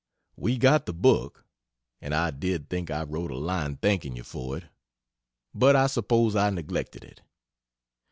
We got the book and I did think I wrote a line thanking you for it but I suppose I neglected it.